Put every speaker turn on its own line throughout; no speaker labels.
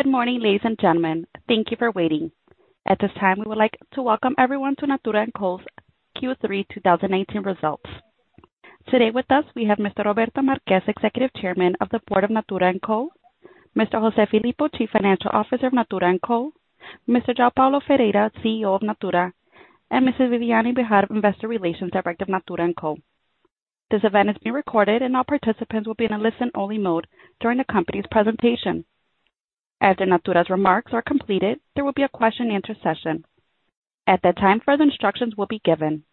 Good morning, ladies and gentlemen. Thank you for waiting. At this time, we would like to welcome everyone to Natura &Co.'s Q3 2019 results. Today with us, we have Mr. Roberto Marques, Executive Chairman of the Board of Natura &Co., Mr. José Filippo, Chief Financial Officer of Natura &Co., Mr. João Paulo Ferreira, CEO of Natura, and Mrs. Viviane Behar, Investor Relations Director of Natura &Co. This event is being recorded and all participants will be in a listen-only mode during the company's presentation. After Natura's remarks are completed, there will be a question and answer session. At that time, further instructions will be given.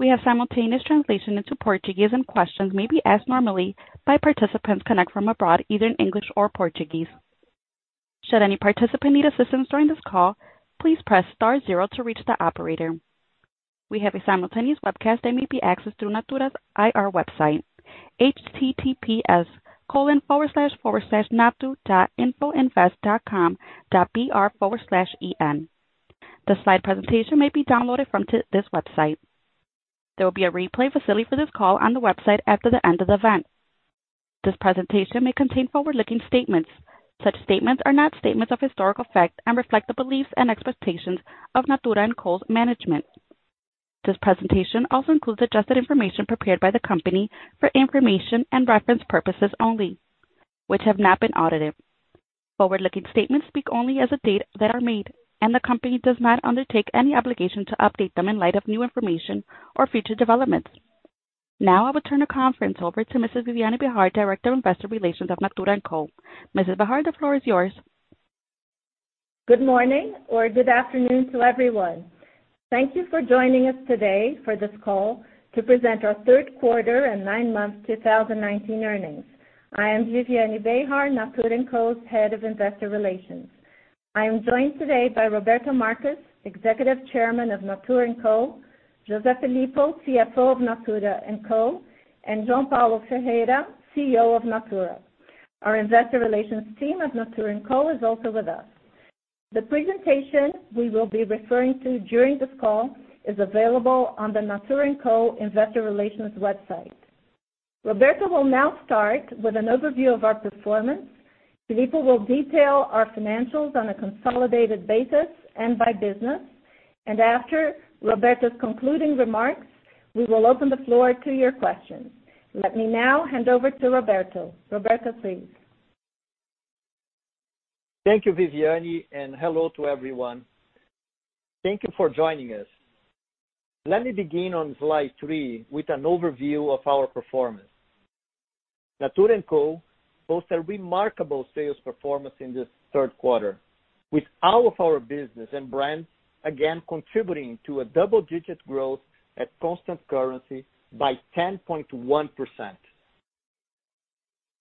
We have simultaneous translation into Portuguese, and questions may be asked normally by participants connected from abroad, either in English or Portuguese. Should any participant need assistance during this call, please press star zero to reach the operator. We have a simultaneous webcast that may be accessed through Natura's IR website, https://natu.infoinvest.com.br/en. The slide presentation may be downloaded from this website. There will be a replay facility for this call on the website after the end of the event. This presentation may contain forward-looking statements. Such statements are not statements of historical fact and reflect the beliefs and expectations of Natura &Co's management. This presentation also includes adjusted information prepared by the company for information and reference purposes only, which have not been audited. Forward-looking statements speak only as of the date that are made, and the company does not undertake any obligation to update them in light of new information or future developments. Now, I will turn the conference over to Mrs. Viviane Behar, Director of Investor Relations of Natura &Co. Mrs. Behar, the floor is yours.
Good morning or good afternoon to everyone. Thank you for joining us today for this call to present our third quarter and nine-month 2019 earnings. I am Viviane Behar, Natura & Co.'s Head of Investor Relations. I am joined today by Roberto Marques, Executive Chairman of Natura & Co., José Filippo, CFO of Natura & Co., and João Paulo Ferreira, CEO of Natura. Our investor relations team of Natura & Co. is also with us. The presentation we will be referring to during this call is available on the Natura & Co. investor relations website. Roberto will now start with an overview of our performance. Filippo will detail our financials on a consolidated basis and by business. After Roberto's concluding remarks, we will open the floor to your questions. Let me now hand over to Roberto. Roberto, please.
Thank you, Viviane, and hello to everyone. Thank you for joining us. Let me begin on slide three with an overview of our performance. Natura &Co posts a remarkable sales performance in this third quarter, with all of our business and brands again contributing to a double-digit growth at constant currency by 10.1%.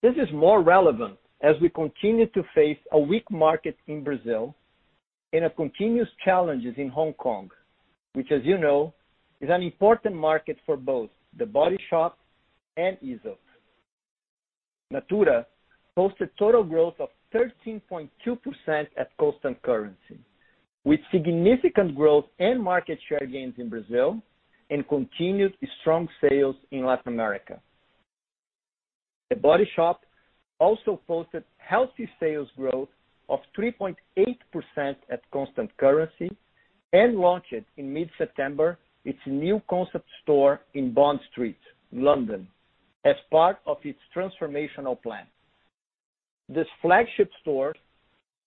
This is more relevant as we continue to face a weak market in Brazil and a continuous challenges in Hong Kong, which, as you know, is an important market for both The Body Shop and Aesop. Natura posted total growth of 13.2% at constant currency, with significant growth and market share gains in Brazil and continued strong sales in Latin America. The Body Shop also posted healthy sales growth of 3.8% at constant currency and launched in mid-September, its new concept store in Bond Street, London, as part of its transformational plan. This flagship store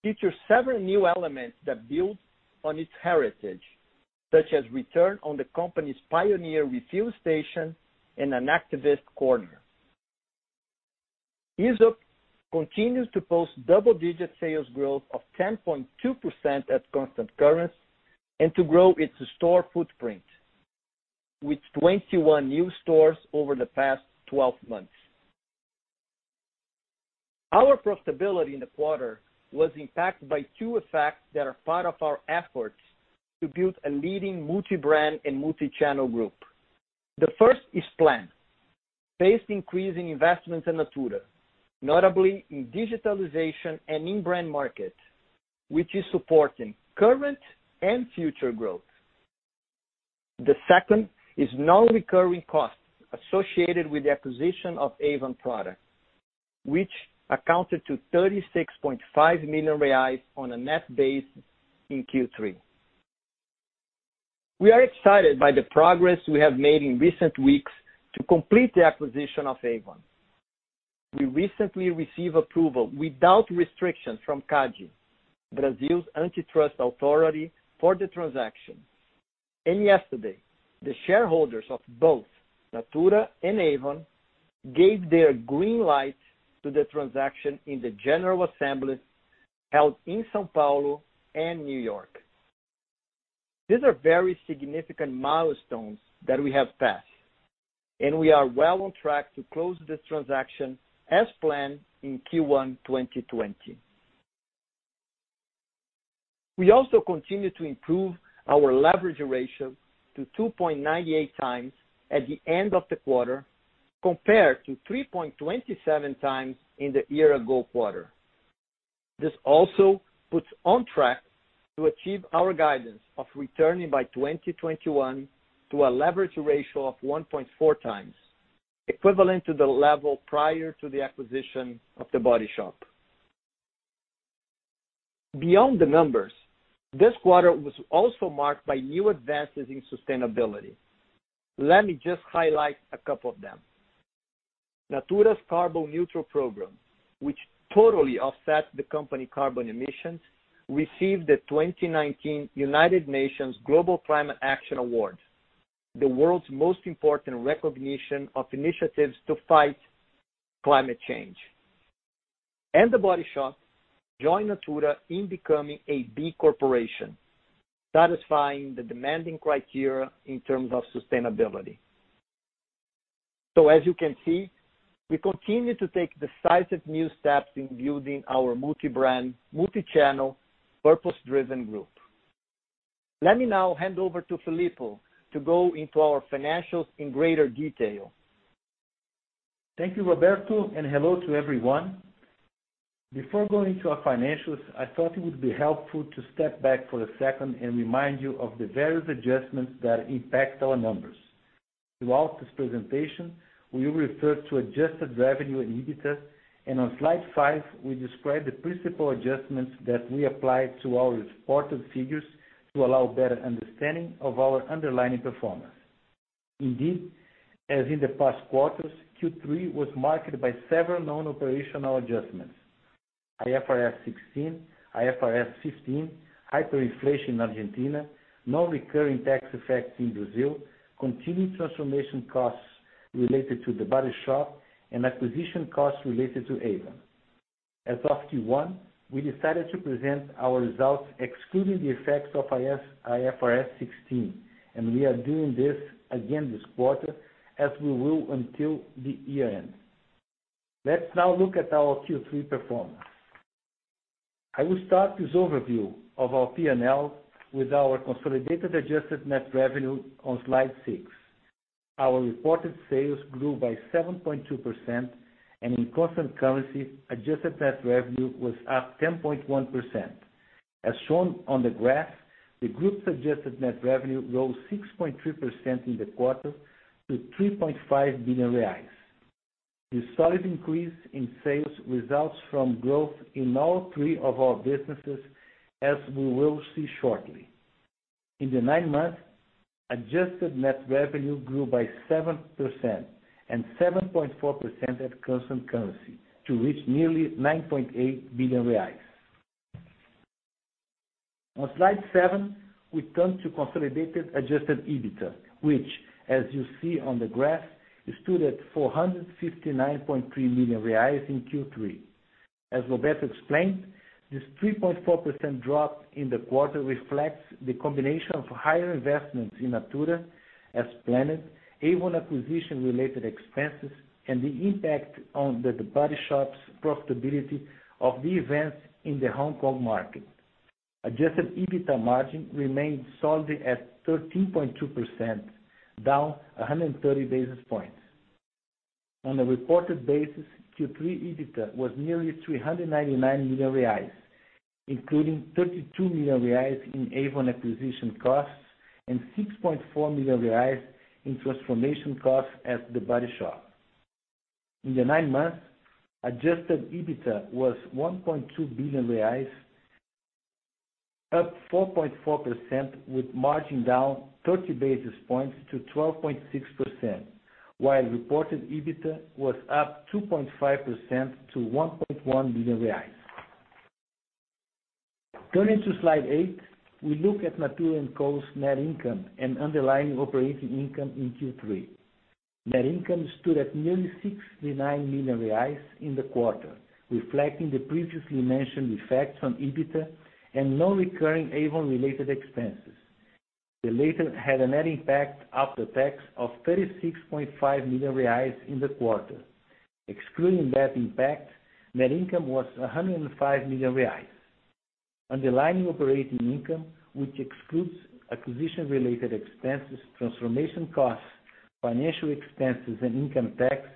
features several new elements that build on its heritage, such as return on the company's pioneer refill station and an activist corner. Aesop continues to post double-digit sales growth of 10.2% at constant currency and to grow its store footprint, with 21 new stores over the past 12 months. Our profitability in the quarter was impacted by two effects that are part of our efforts to build a leading multi-brand and multi-channel group. The first is plan-based increase in investments in Natura, notably in digitalization and in brand marketing, which is supporting current and future growth. The second is non-recurring costs associated with the acquisition of Avon Products, which accounted to 36.5 million reais on a net base in Q3. We are excited by the progress we have made in recent weeks to complete the acquisition of Avon. We recently received approval without restrictions from CADE, Brazil's antitrust authority, for the transaction. Yesterday, the shareholders of both Natura and Avon gave their green light to the transaction in the general assembly held in São Paulo and New York. These are very significant milestones that we have passed, and we are well on track to close this transaction as planned in Q1 2020. We also continue to improve our leverage ratio to 2.98 times at the end of the quarter, compared to 3.27 times in the year-ago quarter. This also puts us on track to achieve our guidance of returning by 2021 to a leverage ratio of 1.4 times, equivalent to the level prior to the acquisition of The Body Shop. Beyond the numbers, this quarter was also marked by new advances in sustainability. Let me just highlight a couple of them. Natura's carbon neutral program, which totally offset the company carbon emissions, received the 2019 United Nations Global Climate Action Award, the world's most important recognition of initiatives to fight climate change. The Body Shop joined Natura in becoming a B Corporation, satisfying the demanding criteria in terms of sustainability. As you can see, we continue to take decisive new steps in building our multi-brand, multi-channel, purpose-driven group. Let me now hand over to Filippo to go into our financials in greater detail.
Thank you, Roberto, and hello to everyone. Before going to our financials, I thought it would be helpful to step back for a second and remind you of the various adjustments that impact our numbers. Throughout this presentation, we refer to adjusted revenue and EBITDA, and on slide five, we describe the principle adjustments that we apply to our reported figures to allow better understanding of our underlying performance. Indeed, as in the past quarters, Q3 was marked by several non-operational adjustments. IFRS 16, IFRS 15, hyperinflation in Argentina, non-recurring tax effects in Brazil, continued transformation costs related to The Body Shop, and acquisition costs related to Avon. As of Q1, we decided to present our results excluding the effects of IFRS 16, and we are doing this again this quarter, as we will until the year-end. Let's now look at our Q3 performance. I will start this overview of our P&L with our consolidated adjusted net revenue on slide six. Our reported sales grew by 7.2%, and in constant currency, adjusted net revenue was up 10.1%. As shown on the graph, the group's adjusted net revenue rose 6.3% in the quarter to 3.5 billion reais. The solid increase in sales results from growth in all three of our businesses, as we will see shortly. In the nine months, adjusted net revenue grew by 7% and 7.4% at constant currency to reach nearly 9.8 billion reais. On slide seven, we turn to consolidated adjusted EBITDA, which, as you see on the graph, stood at 459.3 million reais in Q3. As Roberto explained, this 3.4% drop in the quarter reflects the combination of higher investments in Natura as planned, Avon acquisition related expenses, and the impact on The Body Shop's profitability of the events in the Hong Kong market. Adjusted EBITDA margin remained solid at 13.2%, down 130 basis points. On a reported basis, Q3 EBITDA was nearly 399 million reais, including 32 million reais in Avon acquisition costs and 6.4 million reais in transformation costs at The Body Shop. In the nine months, adjusted EBITDA was 1.2 billion reais, up 4.4%, with margin down 30 basis points to 12.6%, while reported EBITDA was up 2.5% to 1.1 billion reais. Turning to slide eight, we look at Natura &Co.'s net income and underlying operating income in Q3. Net income stood at nearly 69 million reais in the quarter, reflecting the previously mentioned effects on EBITDA and non-recurring Avon related expenses. The latter had a net impact after tax of 36.5 million reais in the quarter. Excluding that impact, net income was 105 million reais. Underlying operating income, which excludes acquisition related expenses, transformation costs, financial expenses, and income tax,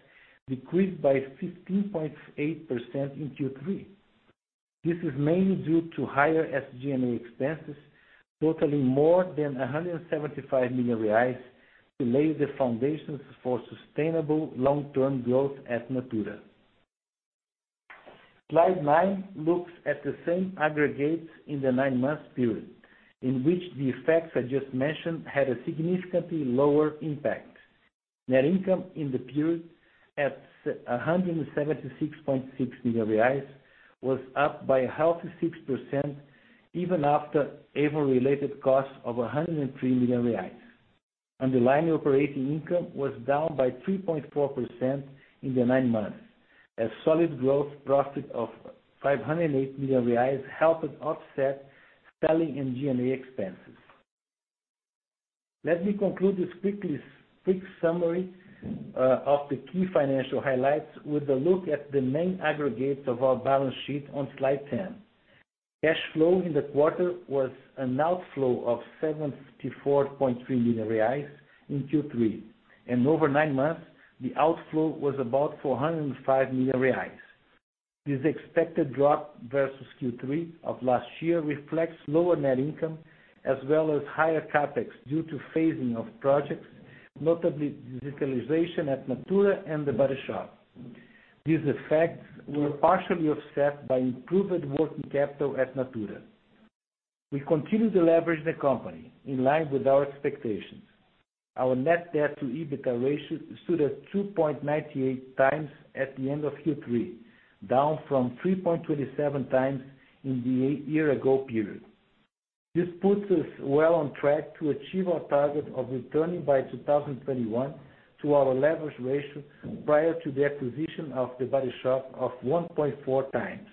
decreased by 15.8% in Q3. This is mainly due to higher SG&A expenses totaling more than 175 million reais to lay the foundations for sustainable long-term growth at Natura. Slide nine looks at the same aggregates in the nine-month period, in which the effects I just mentioned had a significantly lower impact. Net income in the period at 176.6 million reais was up by a healthy 6% even after Avon-related costs of 103 million reais. Underlying operating income was down by 3.4% in the nine months, as solid growth profit of 508 million reais helped offset selling and G&A expenses. Let me conclude this quick summary of the key financial highlights with a look at the main aggregates of our balance sheet on slide 10. Cash flow in the quarter was an outflow of 74.3 million reais in Q3, and over nine months, the outflow was about 405 million reais. This expected drop versus Q3 of last year reflects lower net income as well as higher CapEx due to phasing of projects, notably digitalization at Natura and The Body Shop. These effects were partially offset by improved working capital at Natura. We continue to leverage the company in line with our expectations. Our net debt to EBITDA ratio stood at 2.98 times at the end of Q3, down from 3.27 times in the year-ago period. This puts us well on track to achieve our target of returning by 2021 to our leverage ratio prior to the acquisition of The Body Shop of 1.4 times.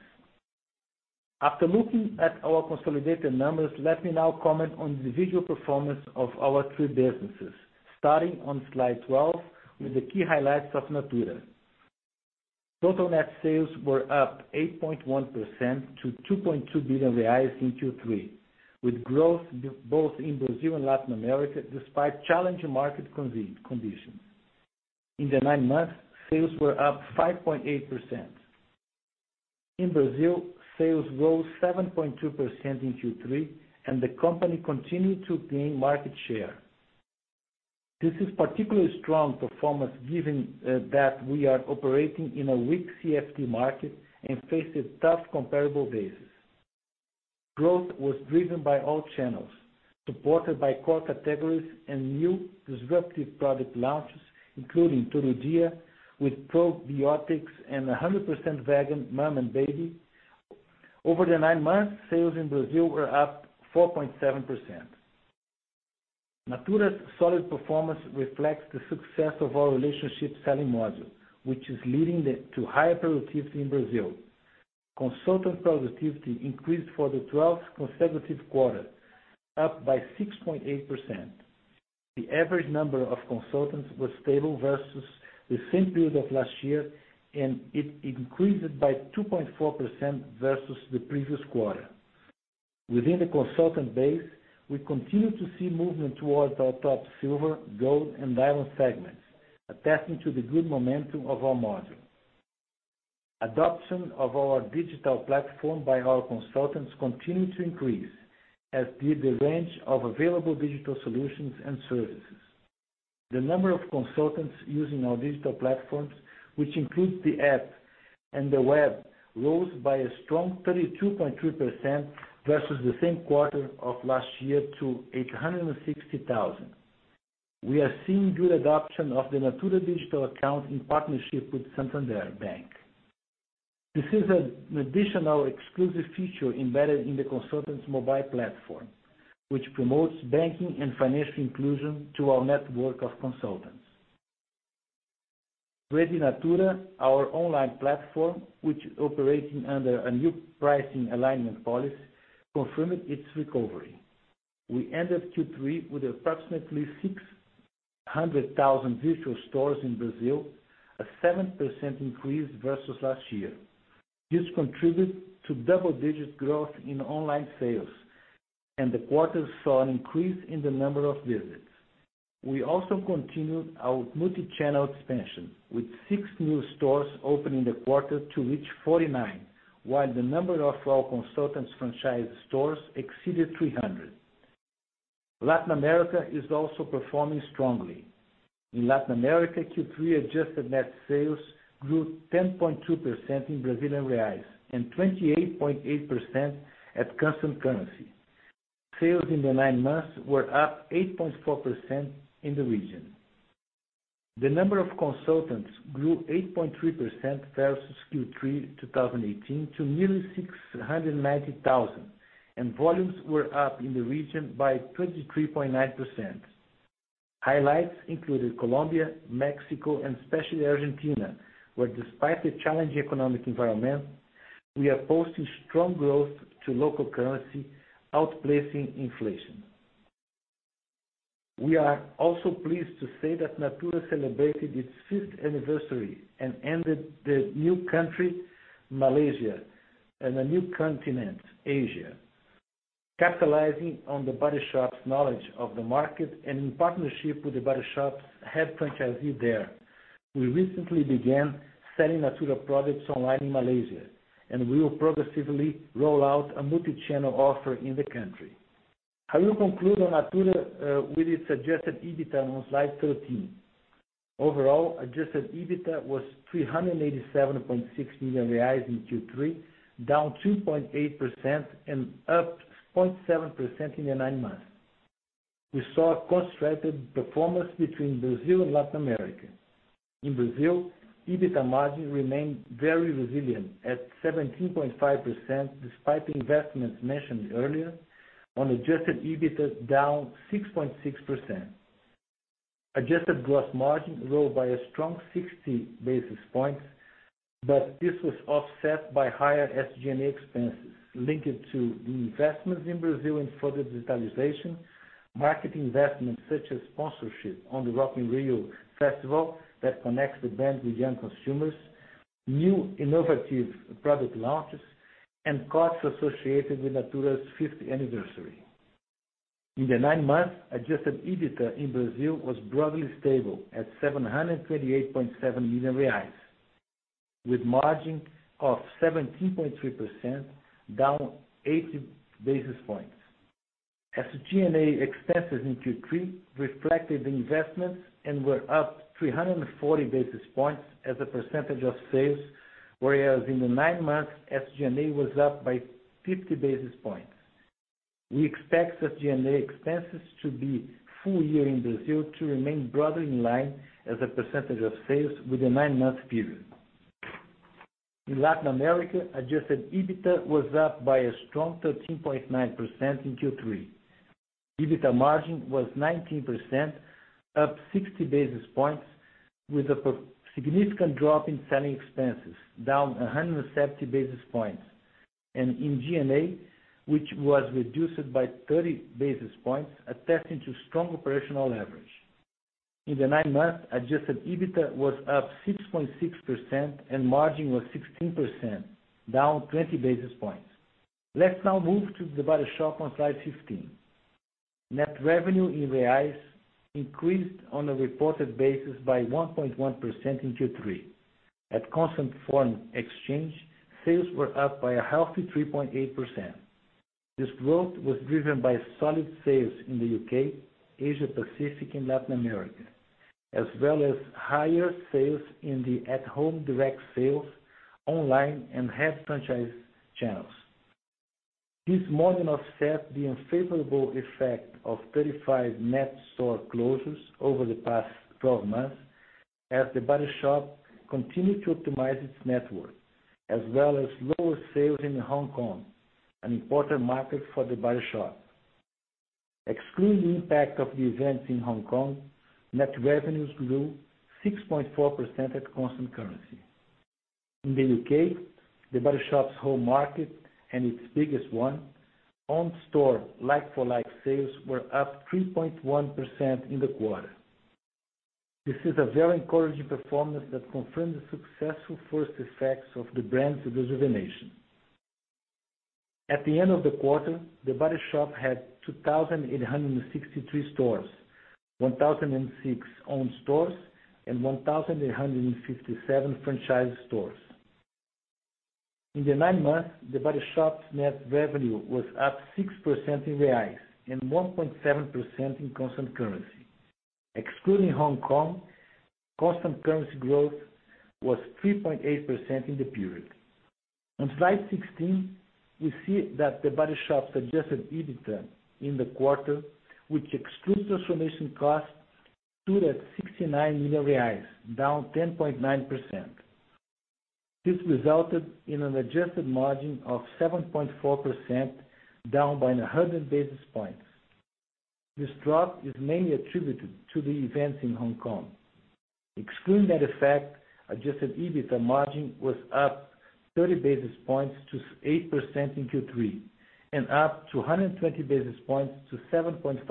After looking at our consolidated numbers, let me now comment on individual performance of our three businesses, starting on slide 12 with the key highlights of Natura. Total net sales were up 8.1% to 2.2 billion reais in Q3, with growth both in Brazil and Latin America despite challenging market conditions. In the nine months, sales were up 5.8%. In Brazil, sales rose 7.2% in Q3, and the company continued to gain market share. This is particularly strong performance given that we are operating in a weak CFT market and faces tough comparable bases. Growth was driven by all channels, supported by core categories and new disruptive product launches, including Tododia with probiotics and 100% vegan Mamãe e Bebê. Over the nine months, sales in Brazil were up 4.7%. Natura's solid performance reflects the success of our relationship selling model, which is leading to higher productivity in Brazil. Consultant productivity increased for the 12th consecutive quarter, up by 6.8%. The average number of consultants was stable versus the same period of last year, and it increased by 2.4% versus the previous quarter. Within the consultant base, we continue to see movement towards our top silver, gold, and diamond segments, attesting to the good momentum of our model. Adoption of our digital platform by our consultants continued to increase, as did the range of available digital solutions and services. The number of consultants using our digital platforms, which includes the app and the web, rose by a strong 32.3% versus the same quarter of last year to 860,000. We are seeing good adoption of the Natura digital account in partnership with Santander Bank. This is an additional exclusive feature embedded in the consultants' mobile platform, which promotes banking and financial inclusion to our network of consultants. Rede Natura, our online platform, which is operating under a new pricing alignment policy, confirming its recovery. We ended Q3 with approximately 600,000 virtual stores in Brazil, a 7% increase versus last year. This contributed to double-digit growth in online sales, and the quarter saw an increase in the number of visits. We also continued our multi-channel expansion with six new stores opening the quarter to reach 49, while the number of our consultants' franchise stores exceeded 300. Latin America is also performing strongly. In Latin America, Q3 adjusted net sales grew 10.2% in BRL and 28.8% at constant currency. Sales in the nine months were up 8.4% in the region. The number of consultants grew 8.3% versus Q3 2018 to nearly 690,000, and volumes were up in the region by 23.9%. Highlights included Colombia, Mexico, and especially Argentina, where despite the challenging economic environment, we are posting strong growth to local currency, outplacing inflation. We are also pleased to say that Natura celebrated its fifth anniversary and entered the new country, Malaysia, and a new continent, Asia. Capitalizing on The Body Shop's knowledge of the market and in partnership with The Body Shop's head franchisee there, we recently began selling Natura products online in Malaysia. We will progressively roll out a multi-channel offer in the country. I will conclude on Natura with its adjusted EBITDA on slide 13. Overall, adjusted EBITDA was 387.6 million reais in Q3, down 2.8% and up 0.7% in the nine months. We saw a contrasted performance between Brazil and Latin America. In Brazil, EBITDA margin remained very resilient at 17.5%, despite the investments mentioned earlier on adjusted EBITDA down 6.6%. Adjusted gross margin rose by a strong 60 basis points, this was offset by higher SG&A expenses linked to the investments in Brazil and further digitalization, marketing investments such as sponsorship on the Rock in Rio Festival that connects the brand with young consumers, new innovative product launches, and costs associated with Natura's 50 anniversary. In the nine months, adjusted EBITDA in Brazil was broadly stable at 728.7 million reais, with margin of 17.3%, down 80 basis points. SG&A expenses in Q3 reflected the investments and were up 340 basis points as a percentage of sales, whereas in the nine months, SG&A was up by 50 basis points. We expect SG&A expenses to be full year in Brazil to remain broadly in line as a percentage of sales with the nine-month period. In Latin America, adjusted EBITDA was up by a strong 13.9% in Q3. EBITDA margin was 19%, up 60 basis points, with a significant drop in selling expenses, down 170 basis points, and in G&A, which was reduced by 30 basis points, attesting to strong operational leverage. In the nine months, adjusted EBITDA was up 6.6% and margin was 16%, down 20 basis points. Let's now move to The Body Shop on slide 15. Net revenue in reais increased on a reported basis by 1.1% in Q3. At constant foreign exchange, sales were up by a healthy 3.8%. This growth was driven by solid sales in the U.K., Asia Pacific and Latin America, as well as higher sales in the at-home direct sales, online and half franchise channels. This more than offset the unfavorable effect of 35 net store closures over the past 12 months as The Body Shop continued to optimize its network, as well as lower sales in Hong Kong, an important market for The Body Shop. Excluding the impact of the events in Hong Kong, net revenues grew 6.4% at constant currency. In the U.K., The Body Shop's home market and its biggest one, own store like-for-like sales were up 3.1% in the quarter. This is a very encouraging performance that confirms the successful first effects of the brand's rejuvenation. At the end of the quarter, The Body Shop had 2,863 stores, 1,006 owned stores, and 1,857 franchise stores. In the nine months, The Body Shop's net revenue was up 6% in BRL and 1.7% in constant currency. Excluding Hong Kong, constant currency growth was 3.8% in the period. On slide 16, we see that The Body Shop suggested EBITDA in the quarter, which excludes transformation costs, stood at 69 million reais, down 10.9%. This resulted in an adjusted margin of 7.4%, down by 100 basis points. This drop is mainly attributed to the events in Hong Kong. Excluding that effect, adjusted EBITDA margin was up 30 basis points to 8% in Q3, and up 220 basis points to 7.5%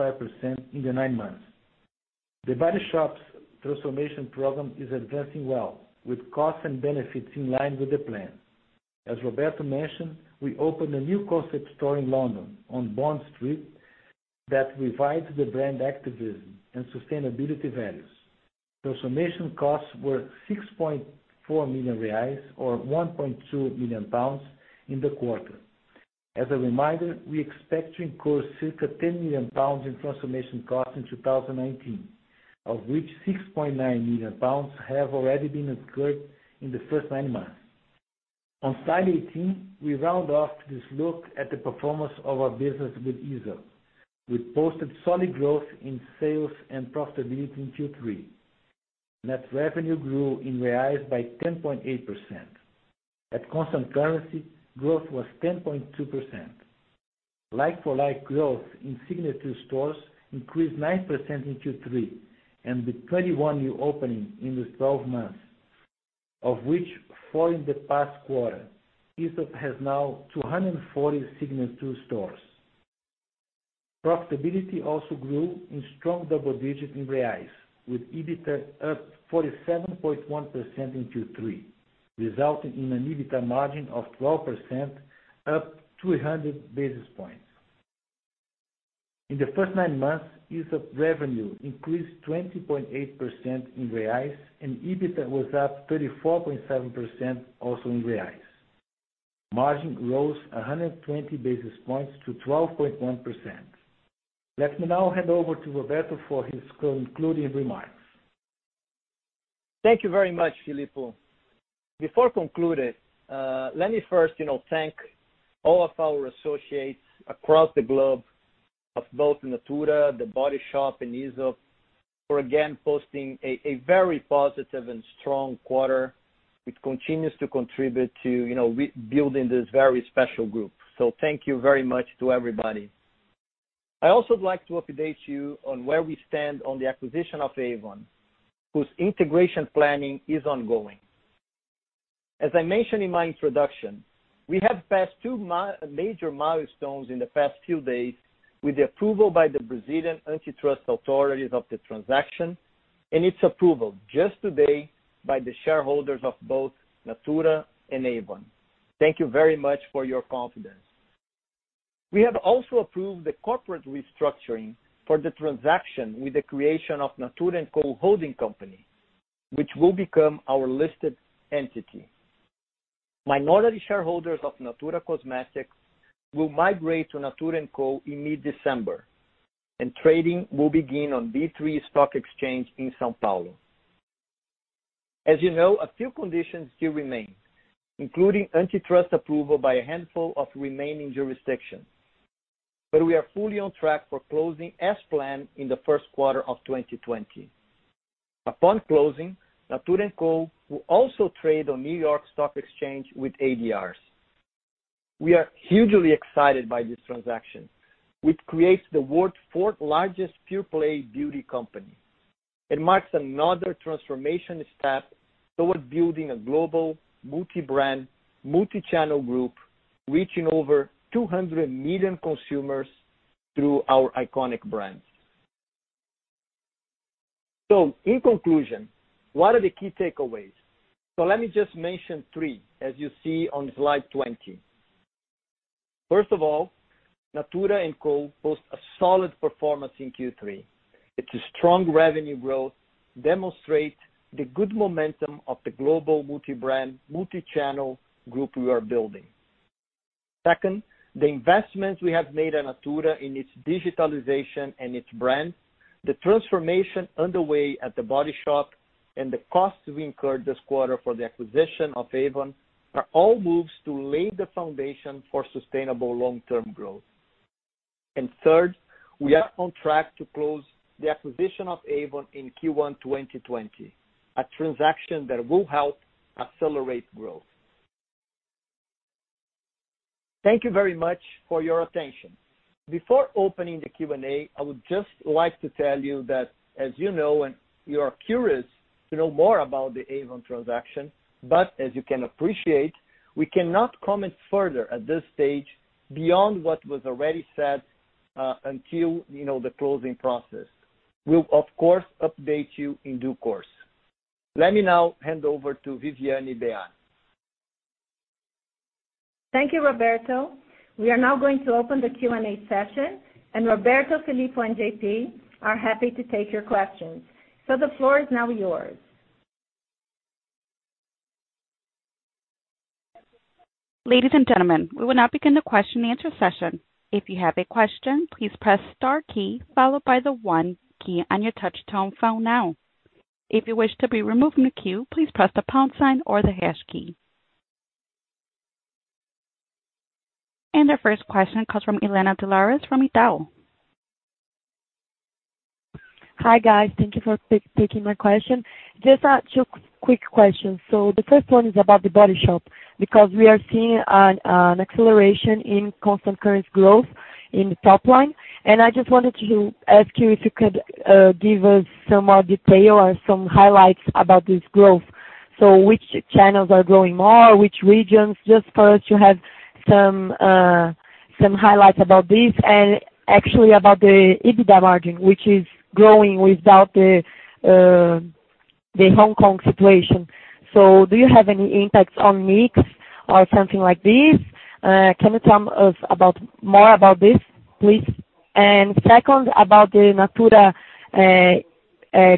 in the nine months. The Body Shop's transformation program is advancing well, with costs and benefits in line with the plan. As Roberto mentioned, we opened a new concept store in London on Bond Street that revives the brand activism and sustainability values. Transformation costs were 6.4 million reais or 1.2 million pounds in the quarter. As a reminder, we expect to incur circa 10 million pounds in transformation costs in 2019, of which 6.9 million pounds have already been incurred in the first nine months. On slide 18, we round off this look at the performance of our business with Aesop. We posted solid growth in sales and profitability in Q3. Net revenue grew in BRL by 10.8%. At constant currency, growth was 10.2%. Like-for-like growth in signature stores increased 9% in Q3, and with 21 new openings in the 12 months, of which four in the past quarter, Aesop has now 240 signature stores. Profitability also grew in strong double digits in BRL, with EBITDA up 47.1% in Q3, resulting in an EBITDA margin of 12%, up 300 basis points. In the first nine months, Aesop revenue increased 20.8% in BRL, and EBITDA was up 34.7%, also in BRL. Margin rose 120 basis points to 12.1%. Let me now hand over to Roberto for his concluding remarks.
Thank you very much, Filippo. Before concluding, let me first thank all of our associates across the globe of both Natura, The Body Shop and Aesop for again posting a very positive and strong quarter, which continues to contribute to building this very special group. Thank you very much to everybody. I'd also like to update you on where we stand on the acquisition of Avon, whose integration planning is ongoing. As I mentioned in my introduction, we have passed two major milestones in the past few days with the approval by the Brazilian antitrust authorities of the transaction and its approval just today by the shareholders of both Natura and Avon. Thank you very much for your confidence. We have also approved the corporate restructuring for the transaction with the creation of Natura &Co Holding Company, which will become our listed entity. Minority shareholders of Natura Cosméticos will migrate to Natura &Co in mid-December, and trading will begin on B3 Stock Exchange in São Paulo. As you know, a few conditions still remain, including antitrust approval by a handful of remaining jurisdictions. We are fully on track for closing as planned in the first quarter of 2020. Upon closing, Natura &Co will also trade on New York Stock Exchange with ADRs. We are hugely excited by this transaction, which creates the world's fourth-largest pure-play beauty company. It marks another transformation step towards building a global, multi-brand, multi-channel group, reaching over 200 million consumers through our iconic brands. In conclusion, what are the key takeaways? Let me just mention three, as you see on slide 20. First of all, Natura &Co posts a solid performance in Q3. It's a strong revenue growth, demonstrate the good momentum of the global multi-brand, multi-channel group we are building. Second, the investments we have made at Natura in its digitalization and its brand, the transformation underway at The Body Shop, and the costs we incurred this quarter for the acquisition of Avon, are all moves to lay the foundation for sustainable long-term growth. Third, we are on track to close the acquisition of Avon in Q1 2020, a transaction that will help accelerate growth. Thank you very much for your attention. Before opening the Q&A, I would just like to tell you that, as you know and you are curious to know more about the Avon transaction, as you can appreciate, we cannot comment further at this stage beyond what was already said until the closing process. We'll, of course, update you in due course. Let me now hand over to Viviane Behar.
Thank you, Roberto. We are now going to open the Q&A session. Roberto, Filippo, and JP are happy to take your questions. The floor is now yours.
Ladies and gentlemen, we will now begin the question and answer session. If you have a question, please press star key followed by the one key on your touch tone phone now. If you wish to be removed from the queue, please press the pound sign or the hash key. Our first question comes from Helena Dolores from Itaú.
Hi, guys. Thank you for taking my question. Just two quick questions. The first one is about The Body Shop, because we are seeing an acceleration in constant current growth in the top line. I just wanted to ask you if you could give us some more detail or some highlights about this growth. Which channels are growing more? Which regions? Just for us to have some highlights about this and actually about the EBITDA margin, which is growing without the Hong Kong situation. Do you have any impacts on mix or something like this? Can you tell more about this, please? Second, about the Natura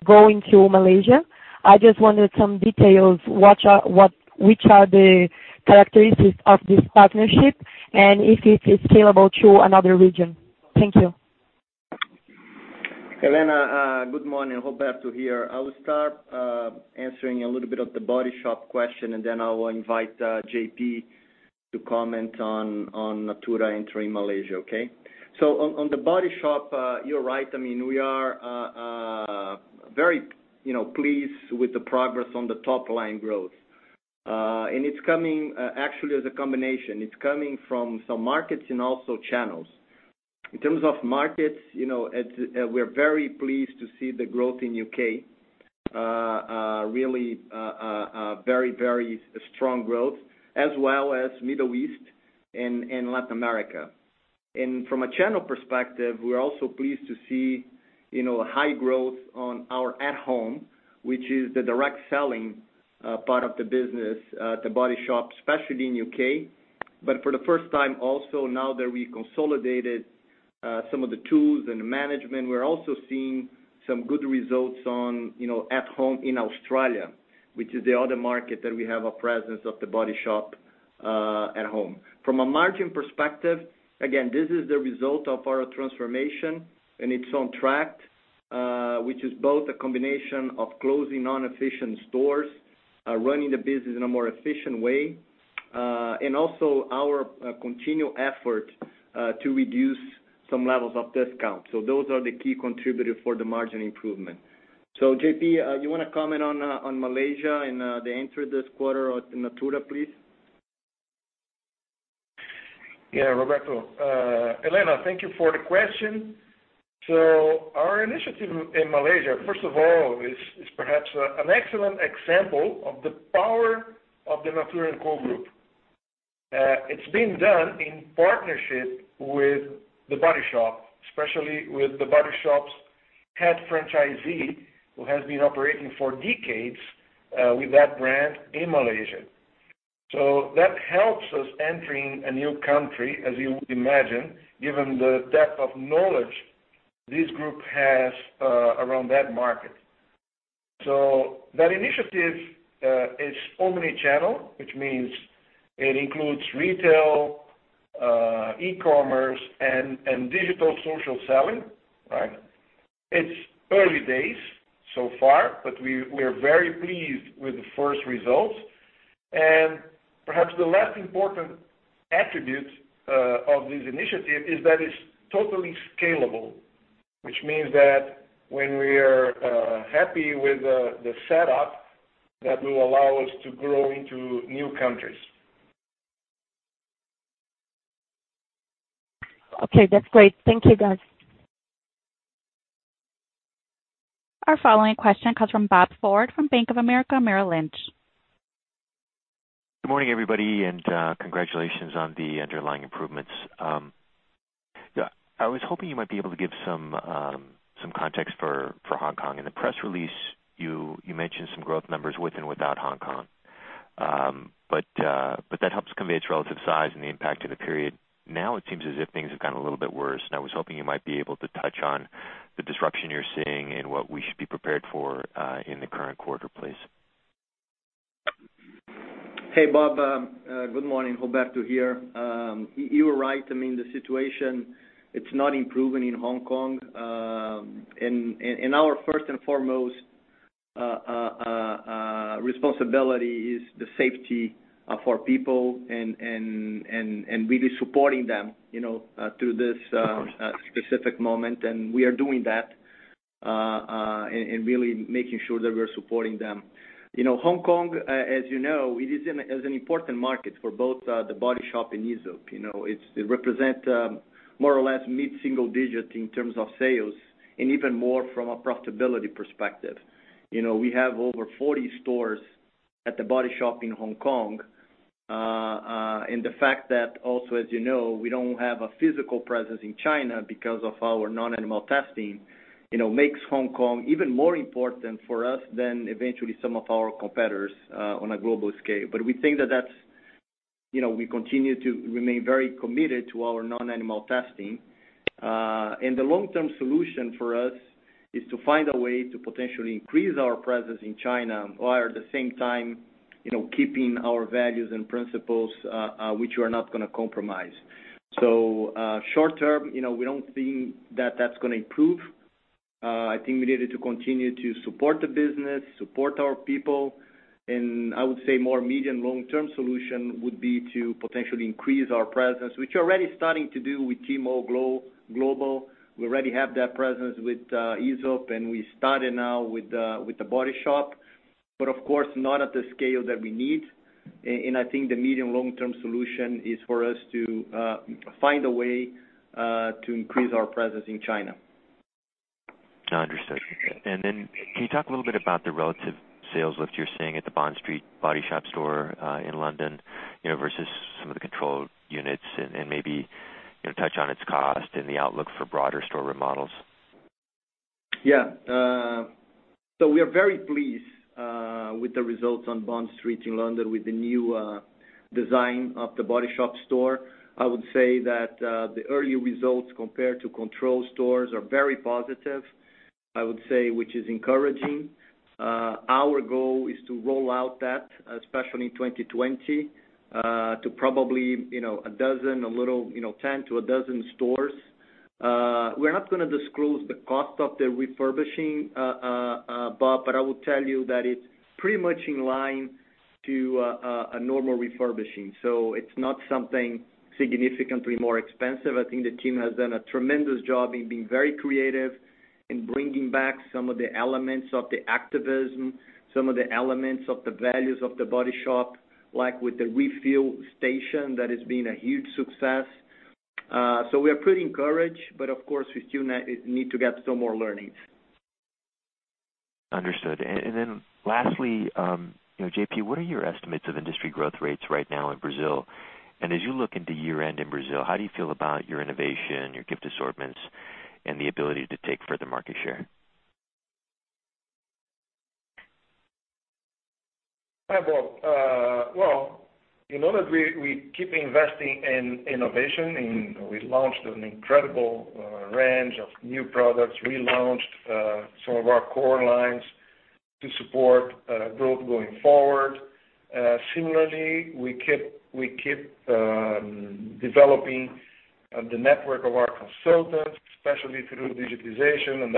going to Malaysia. I just wanted some details, which are the characteristics of this partnership, and if it is scalable to another region. Thank you.
Helena, good morning. Roberto here. I will start answering a little bit of The Body Shop question. Then I will invite JP to comment on Natura entering Malaysia, okay? On The Body Shop, you're right. We are very pleased with the progress on the top-line growth. It's coming actually as a combination. It's coming from some markets and also channels. In terms of markets, we're very pleased to see the growth in U.K. Really very strong growth, as well as Middle East and Latin America. From a channel perspective, we're also pleased to see high growth on our At Home, which is the direct selling part of the business at The Body Shop, especially in U.K. For the first time also, now that we consolidated some of the tools and the management, we're also seeing some good results on At Home in Australia, which is the other market that we have a presence of The Body Shop At Home. From a margin perspective, again, this is the result of our transformation, and it's on track, which is both a combination of closing non-efficient stores, running the business in a more efficient way, and also our continual effort to reduce some levels of discount. Those are the key contributors for the margin improvement. JP, you want to comment on Malaysia and the entry this quarter of Natura, please?
Yeah, Roberto. Helena, thank you for the question. Our initiative in Malaysia, first of all, is perhaps an excellent example of the power of the Natura &Co group. It is being done in partnership with The Body Shop, especially with The Body Shop's franchisee who has been operating for decades with that brand in Malaysia. That helps us entering a new country, as you would imagine, given the depth of knowledge this group has around that market. That initiative is omni-channel, which means it includes retail, e-commerce, and digital social selling. It is early days so far, but we are very pleased with the first results. Perhaps the last important attribute of this initiative is that it is totally scalable, which means that when we are happy with the setup, that will allow us to grow into new countries.
Okay. That's great. Thank you, guys.
Our following question comes from Bob Ford from Bank of America Merrill Lynch.
Good morning, everybody. Congratulations on the underlying improvements. I was hoping you might be able to give some context for Hong Kong. In the press release, you mentioned some growth numbers with and without Hong Kong. That helps convey its relative size and the impact of the period. It seems as if things have gotten a little bit worse, and I was hoping you might be able to touch on the disruption you're seeing and what we should be prepared for in the current quarter, please.
Hey, Bob. Good morning. Roberto here. You are right. The situation, it's not improving in Hong Kong. Our first and foremost responsibility is the safety of our people and really supporting them through this specific moment. We are doing that, and really making sure that we're supporting them. Hong Kong, as you know, it is an important market for both The Body Shop and Aesop. It represent more or less mid-single digit in terms of sales, and even more from a profitability perspective. We have over 40 stores at The Body Shop in Hong Kong. The fact that also, as you know, we don't have a physical presence in China because of our non-animal testing, makes Hong Kong even more important for us than eventually some of our competitors on a global scale. We think that we continue to remain very committed to our non-animal testing. The long-term solution for us is to find a way to potentially increase our presence in China while at the same time, keeping our values and principles, which we are not going to compromise. Short-term, we don't think that that's going to improve. I think we needed to continue to support the business, support our people, and I would say more medium, long-term solution would be to potentially increase our presence, which we're already starting to do with Tmall Global. We already have that presence with Aesop, and we started now with The Body Shop, but of course not at the scale that we need. I think the medium, long-term solution is for us to find a way to increase our presence in China.
Understood. Can you talk a little bit about the relative sales lift you're seeing at the Bond Street Body Shop store in London versus some of the control units? Maybe touch on its cost and the outlook for broader store remodels.
Yeah. We are very pleased with the results on Bond Street in London with the new design of The Body Shop store. I would say that the early results compared to control stores are very positive, I would say, which is encouraging. Our goal is to roll out that, especially in 2020, to probably 10 to a dozen stores. We're not going to disclose the cost of the refurbishing, Bob, but I will tell you that it's pretty much in line to a normal refurbishing, so it's not something significantly more expensive. I think the team has done a tremendous job in being very creative in bringing back some of the elements of the activism, some of the elements of the values of The Body Shop, like with the refill station, that has been a huge success. We are pretty encouraged, but of course, we still need to get some more learnings.
Understood. Then lastly, JP, what are your estimates of industry growth rates right now in Brazil? As you look into year-end in Brazil, how do you feel about your innovation, your gift assortments, and the ability to take further market share?
Hi, Bob. You know that we keep investing in innovation, we launched an incredible range of new products, relaunched some of our core lines to support growth going forward. Similarly, we keep developing the network of our consultants, especially through digitization,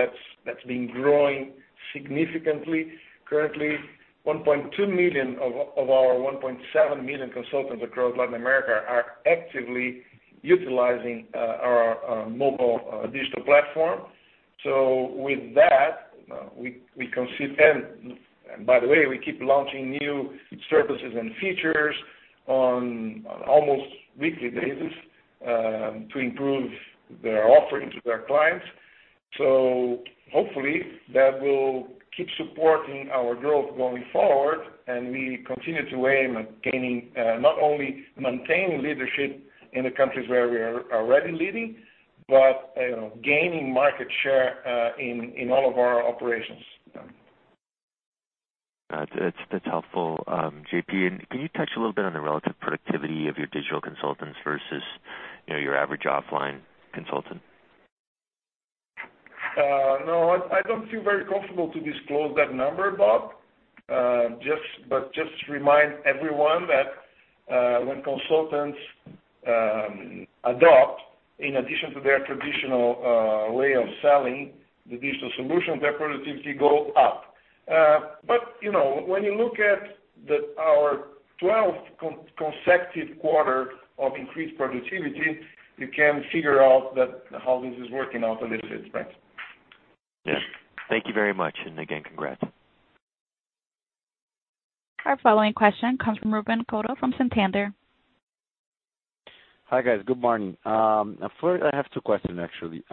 that's been growing significantly. Currently, 1.2 million of our 1.7 million consultants across Latin America are actively utilizing our mobile digital platform. By the way, we keep launching new services and features on almost weekly basis to improve their offering to their clients. Hopefully, that will keep supporting our growth going forward, we continue to aim at not only maintaining leadership in the countries where we are already leading, but gaining market share in all of our operations.
That's helpful. JP, can you touch a little bit on the relative productivity of your digital consultants versus your average offline consultant?
No, I don't feel very comfortable to disclose that number, Bob. Just to remind everyone that when consultants adopt, in addition to their traditional way of selling the digital solution, their productivity goes up. When you look at our 12 consecutive quarters of increased productivity, you can figure out how this is working out a little bit.
Yes. Thank you very much, and again, congrats.
Our following question comes from Ruben Couto from Santander.
Hi, guys. Good morning. I have two questions, actually.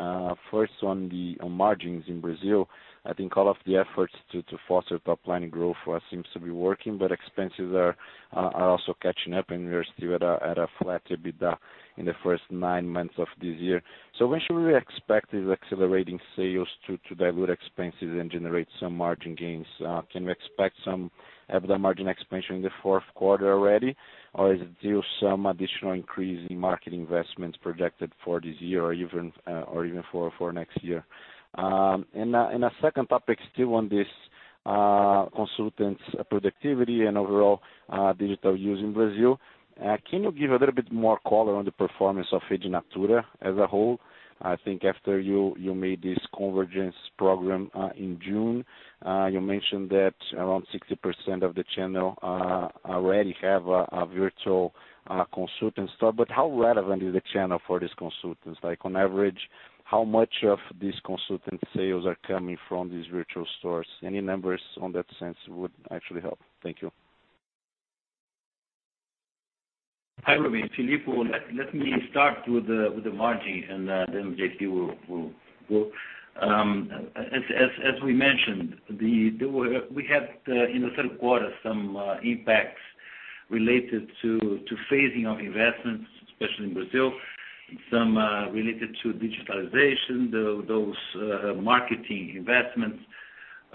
First, on the margins in Brazil. I think all of the efforts to foster top-line growth seems to be working, but expenses are also catching up, and we are still at a flat EBITDA in the first nine months of this year. When should we expect these accelerating sales to dilute expenses and generate some margin gains? Can we expect some EBITDA margin expansion in the fourth quarter already? Is there some additional increase in marketing investments projected for this year or even for next year? A second topic, still on this consultants' productivity and overall digital use in Brazil. Can you give a little bit more color on the performance of Rede Natura as a whole? I think after you made this convergence program in June, you mentioned that around 60% of the channel already have a virtual consultant store. How relevant is the channel for these consultants? On average, how much of these consultant sales are coming from these virtual stores? Any numbers in that sense would actually help. Thank you.
Hi, Ruben. Filippo. Let me start with the margin. JP will go. As we mentioned, we had, in the third quarter, some impacts related to phasing of investments, especially in Brazil. Some related to digitalization, those marketing investments,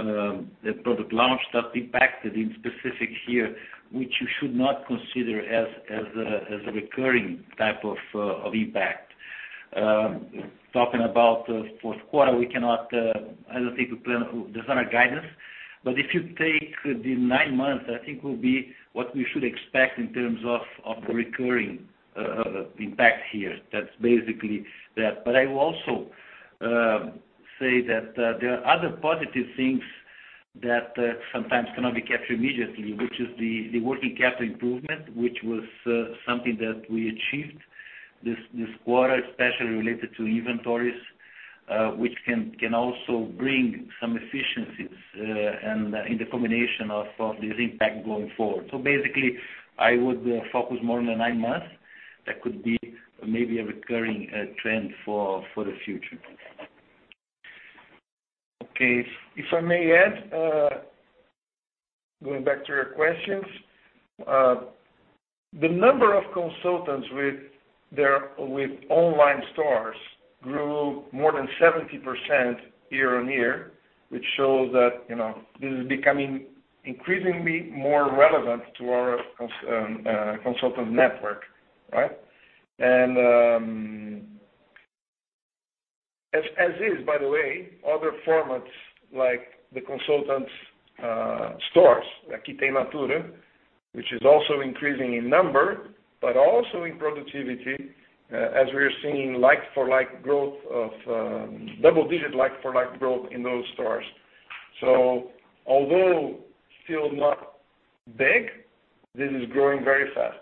the product launch that impacted in specific here, which you should not consider as a recurring type of impact. Talking about the fourth quarter, I don't think. That's not our guidance. If you take the nine months, I think will be what we should expect in terms of the recurring impact here. That's basically that. I will also say that there are other positive things that sometimes cannot be captured immediately, which is the working capital improvement, which was something that we achieved this quarter, especially related to inventories, which can also bring some efficiencies and in the combination of this impact going forward. Basically, I would focus more on the nine months. That could be maybe a recurring trend for the future.
If I may add, going back to your questions. The number of consultants with online stores grew more than 70% year-on-year, which shows that this is becoming increasingly more relevant to our consultant network, right? As is, by the way, other formats like the consultants' stores, Aqui Tem Natura, which is also increasing in number, but also in productivity, as we are seeing double-digit like-for-like growth in those stores. Although still not big, this is growing very fast.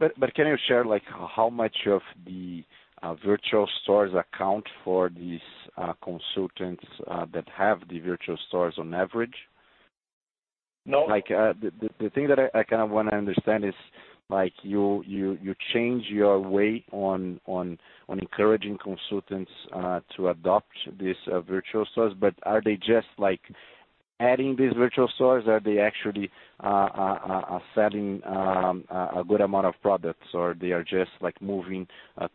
Can you share how much of the virtual stores account for these consultants that have the virtual stores on average?
No.
The thing that I kind of want to understand is you change your way on encouraging consultants to adopt these virtual stores, but are they just adding these virtual stores? Are they actually selling a good amount of products, or they are just moving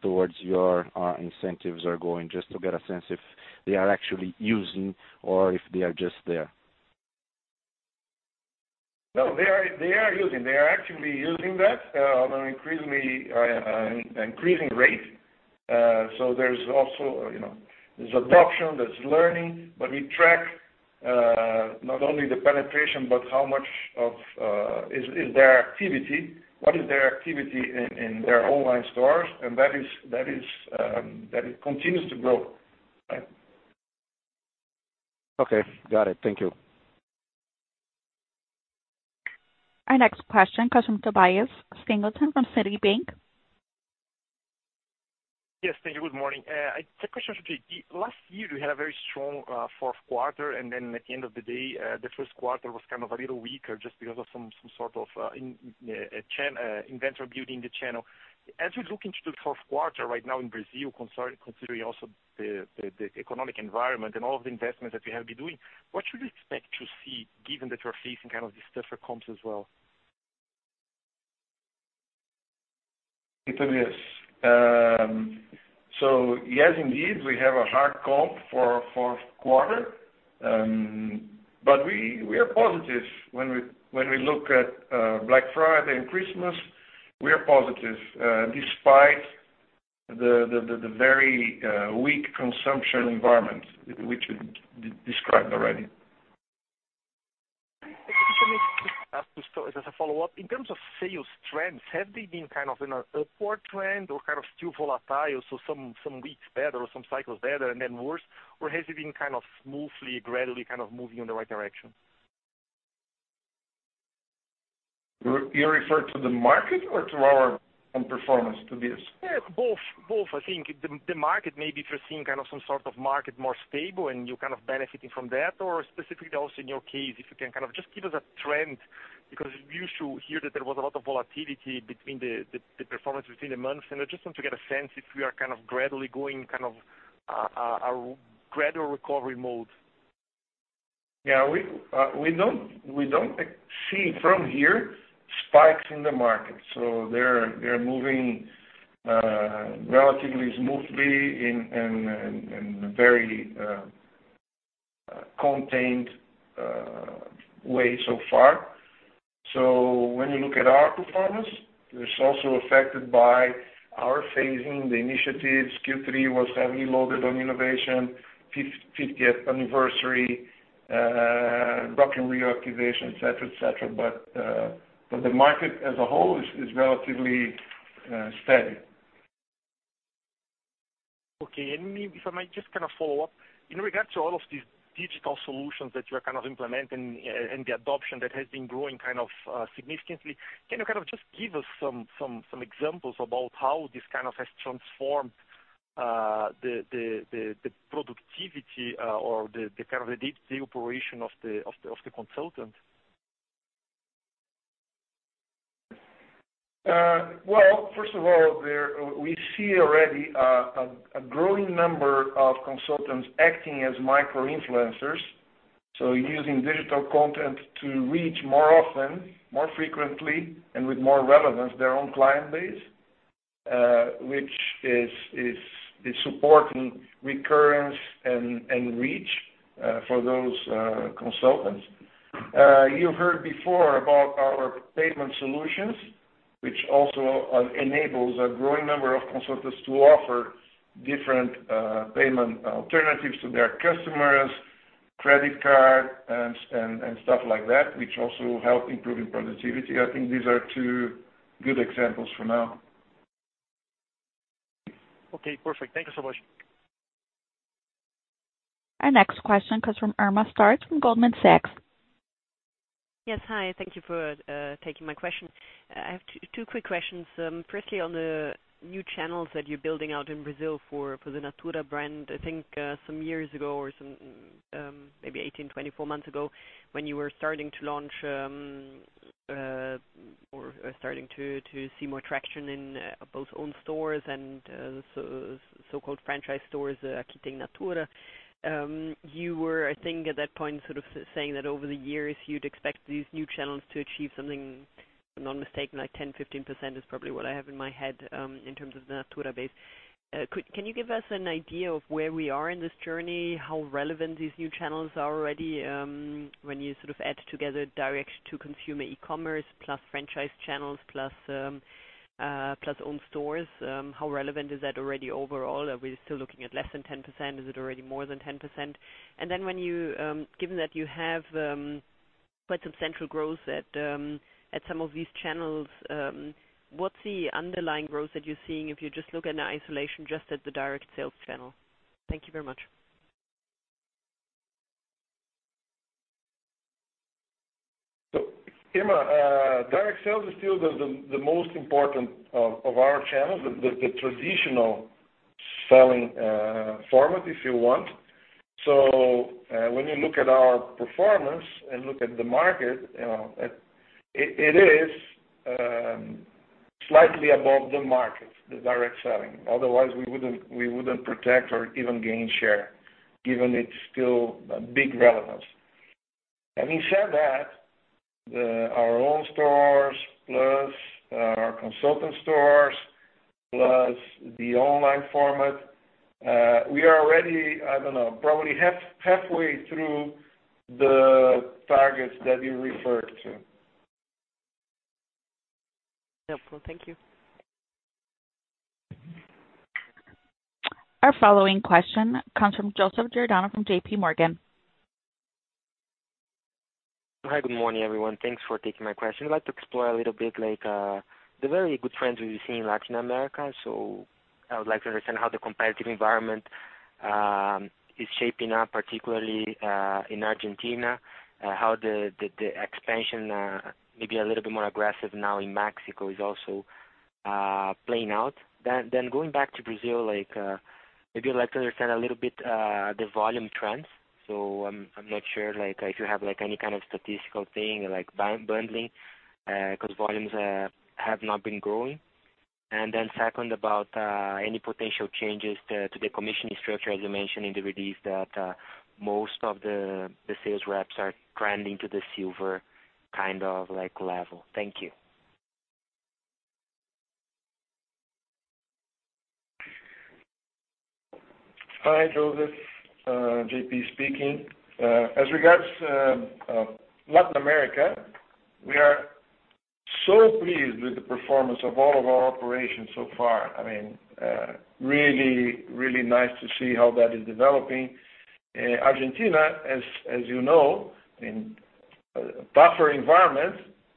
towards your incentives or going just to get a sense if they are actually using or if they are just there?
No, they are using. They are actually using that on an increasing rate. There's also adoption, there's learning, but we track not only the penetration but what is their activity in their online stores, and that continues to grow.
Okay, got it. Thank you.
Our next question comes from Tobias Stingelin from Citi.
Yes, thank you. Good morning. The question is for JP. Last year, we had a very strong fourth quarter, and then at the end of the day, the first quarter was kind of a little weaker just because of some sort of inventory build in the channel. As we look into the fourth quarter right now in Brazil, considering also the economic environment and all of the investments that you have been doing, what should we expect to see given that you're facing kind of these tougher comps as well?
It is. Yes, indeed, we have a hard comp for our fourth quarter. We are positive when we look at Black Friday and Christmas. We are positive despite the very weak consumption environment, which we described already.
Thank you so much. Just as a follow-up, in terms of sales trends, have they been in an upward trend or still volatile, so some weeks better or some cycles better and then worse? Or has it been smoothly gradually moving in the right direction?
You refer to the market or to our own performance to this?
Yeah, both. I think the market, maybe if you're seeing some sort of market more stable and you're benefiting from that or specifically also in your case. If you can just give us a trend, because we usually hear that there was a lot of volatility between the performance between the months, and I just want to get a sense if we are gradually going a gradual recovery mode.
Yeah. We don't see from here spikes in the market. They're moving relatively smoothly in a very contained way so far. When you look at our performance, it's also affected by our phasing the initiatives. Q3 was heavily loaded on innovation, 50th anniversary, Rock in Rio and brand reactivation, et cetera. The market as a whole is relatively steady.
Okay. Maybe if I might just follow up. In regards to all of these digital solutions that you are implementing and the adoption that has been growing significantly, can you just give us some examples about how this has transformed the productivity or the day-to-day operation of the consultant?
First of all, we see already a growing number of consultants acting as micro-influencers. Using digital content to reach more often, more frequently, and with more relevance their own client base, which is supporting recurrence and reach for those consultants. You heard before about our payment solutions, which also enables a growing number of consultants to offer different payment alternatives to their customers, credit card, and stuff like that, which also help improving productivity. I think these are two good examples for now.
Okay, perfect. Thank you so much.
Our next question comes from Irma Sgarz from Goldman Sachs.
Yes. Hi, thank you for taking my question. I have two quick questions. Firstly, on the new channels that you're building out in Brazil for the Natura brand. I think, some years ago or maybe 18, 24 months ago, when you were starting to launch, or starting to see more traction in both own stores and so-called franchise stores, Aqui Tem Natura. You were, I think, at that point, sort of saying that over the years, you'd expect these new channels to achieve something, if I'm not mistaken, like 10%, 15% is probably what I have in my head, in terms of the Natura base. Can you give us an idea of where we are in this journey? How relevant these new channels are already, when you sort of add together direct to consumer e-commerce plus franchise channels plus own stores. How relevant is that already overall? Are we still looking at less than 10%? Is it already more than 10%? Given that you have quite substantial growth at some of these channels, what's the underlying growth that you're seeing if you just look in isolation just at the direct sales channel? Thank you very much.
Irma, direct sales is still the most important of our channels, the traditional selling format, if you want. When you look at our performance and look at the market, it is slightly above the market, the direct selling. Otherwise, we wouldn't protect or even gain share, given its still a big relevance. Having said that, our own stores, plus our consultant stores, plus the online format, we are already, I don't know, probably halfway through the targets that you referred to.
Yep. Cool. Thank you.
Our following question comes from Joseph Giordano from JP Morgan.
Hi, good morning, everyone. Thanks for taking my question. I'd like to explore a little bit, the very good trends we've seen in Latin America. I would like to understand how the competitive environment is shaping up, particularly in Argentina. How the expansion maybe a little bit more aggressive now in Mexico is also playing out. Going back to Brazil, maybe I'd like to understand a little bit, the volume trends. I'm not sure if you have any kind of statistical thing, like bundling, because volumes have not been growing. Second, about any potential changes to the commissioning structure, as you mentioned in the release, that most of the sales reps are trending to the silver level. Thank you.
Hi, Joseph. JP speaking. As regards Latin America, we are so pleased with the performance of all of our operations so far. Really nice to see how that is developing. Argentina, as you know, in a tougher environment,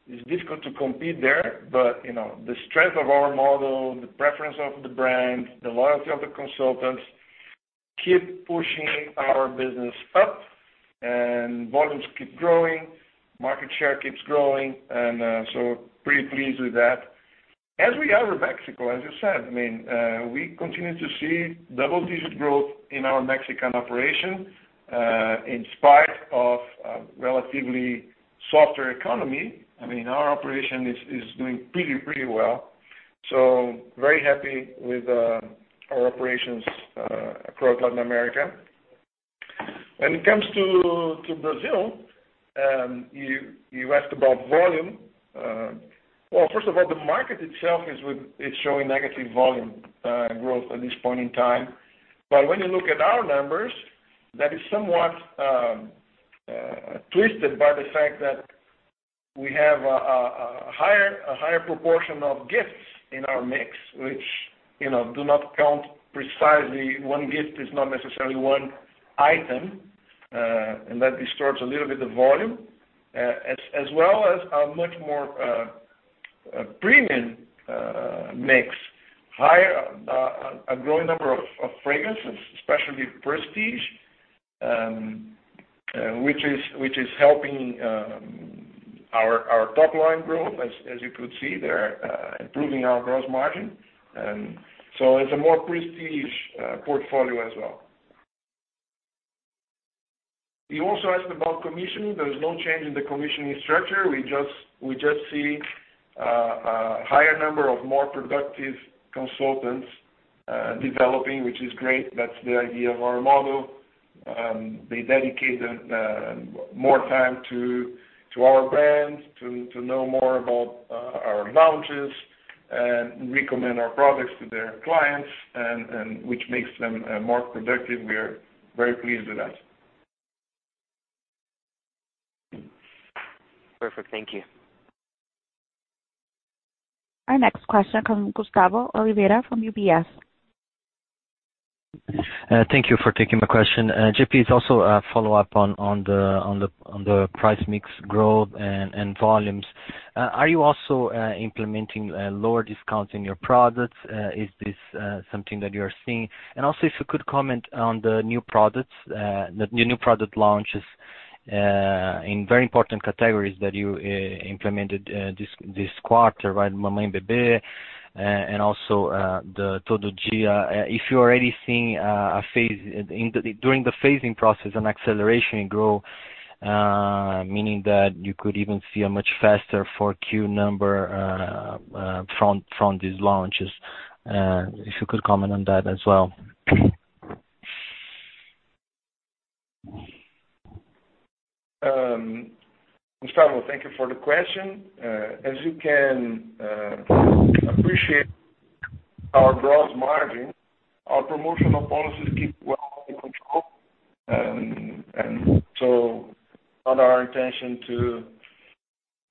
it's difficult to compete there, but the strength of our model, the preference of the brand, the loyalty of the consultants keep pushing our business up, and volumes keep growing, market share keeps growing. Pretty pleased with that. As we are with Mexico, as you said. We continue to see double-digit growth in our Mexican operation in spite of a relatively softer economy. Our operation is doing pretty well. Very happy with our operations across Latin America. When it comes to Brazil, you asked about volume. Well, first of all, the market itself is showing negative volume growth at this point in time. When you look at our numbers, that is somewhat twisted by the fact that we have a higher proportion of gifts in our mix, which do not count precisely. One gift is not necessarily one item. That distorts a little bit the volume, as well as a much more premium mix. A growing number of fragrances, especially prestige, which is helping our top-line growth, as you could see there, improving our gross margin. It's a more prestige portfolio as well. You also asked about commissioning. There is no change in the commissioning structure. We just see a higher number of more productive consultants developing, which is great. That's the idea of our model. They dedicate more time to our brands, to know more about our launches, and recommend our products to their clients, which makes them more productive. We are very pleased with that.
Perfect. Thank you.
Our next question comes from Gustavo Oliveira from UBS.
Thank you for taking my question. JP, it's also a follow-up on the price mix growth and volumes. Are you also implementing lower discounts in your products? Is this something that you are seeing? Also, if you could comment on the new product launches in very important categories that you implemented this quarter, right? Mamãe e Bebê, and also the Tododia. If you're already seeing, during the phasing process, an acceleration in growth, meaning that you could even see a much faster 4Q number from these launches. If you could comment on that as well.
Gustavo, thank you for the question. You can appreciate our gross margin, our promotional policies keep well in control. Not our intention to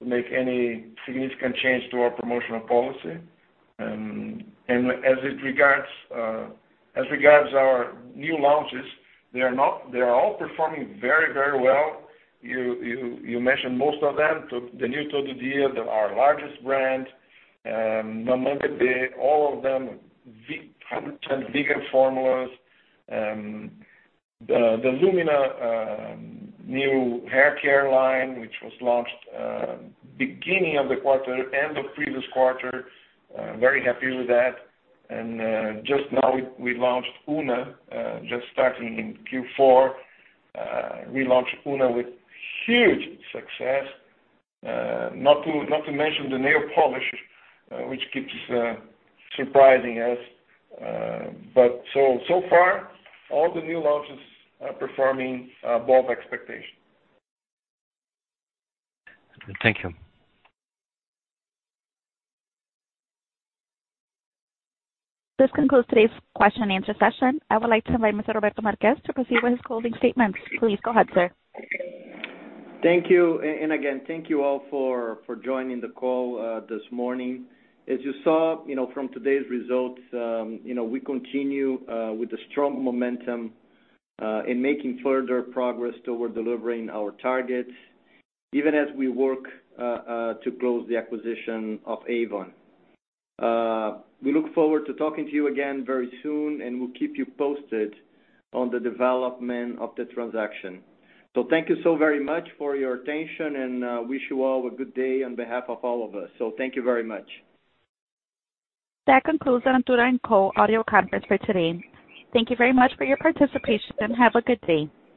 make any significant change to our promotional policy. As regards our new launches, they are all performing very well. You mentioned most of them. The new Tododia, our largest brand, Mamãe e Bebê, all of them, 100% vegan formulas. The Lumina new haircare line, which was launched beginning of the quarter, end of previous quarter. Very happy with that. Just now, we launched Una, just starting in Q4. We launched Una with huge success. Not to mention the nail polish, which keeps surprising us. So far, all the new launches are performing above expectation.
Thank you.
This concludes today's question and answer session. I would like to invite Mr. Roberto Marques to proceed with his closing statements. Please go ahead, sir.
Thank you. Again, thank you all for joining the call this morning. As you saw from today's results, we continue with a strong momentum in making further progress toward delivering our targets, even as we work to close the acquisition of Avon. We look forward to talking to you again very soon, and we'll keep you posted on the development of the transaction. Thank you so very much for your attention, and wish you all a good day on behalf of all of us. Thank you very much.
That concludes the Natura &Co. audio conference for today. Thank you very much for your participation, and have a good day.